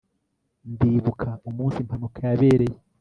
Ndibuka umunsi impanuka yabereye